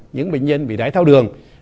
những bệnh nhân bị đáy tháo đường